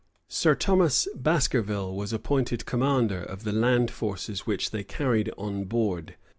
Sir Thomas Baskerville was appointed commander of the land forces which they carried on board.